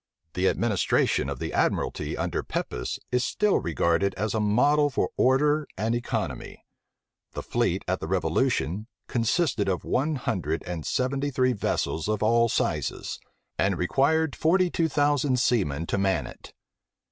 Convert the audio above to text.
The administration of the admiralty under Pepys, is still regarded as a model for order and economy. The fleet at the revolution consisted of one hundred and seventy three vessels of all sizes, and required forty two thousand seamen to man it.